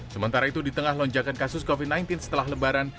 sementara itu di tengah lonjakan kasus covid sembilan belas setelah lebaran